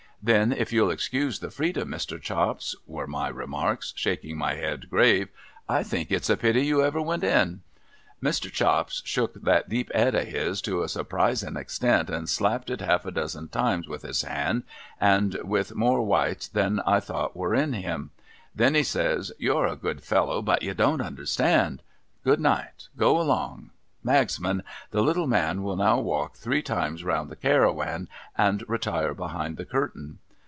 'Then if you'll excuse the freedom, ISIr. Chops,' were my remark, shaking my head grave, ' I think it's a pity you ever went in.' Mr. Chops shook that desp Ed of his, to a surprisin extent, and slapped it half a dozen tiniv^s with his band, and with more Wice than I thought were in him. Then, he says, ' You're a good fellow, but you don't understand. CJood night, go along. Magsman, the little man will now walk three times round the Cairawan, and retire behind_ the curtain.'